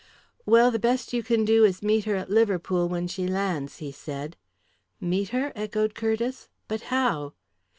"Well, the best you can do is to meet her at Liverpool when she lands," he said. "Meet her?" echoed Curtiss. "But how?"